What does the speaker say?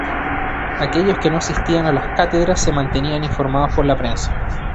Aquellos que no asistían a las cátedras se mantenían informados por la prensa.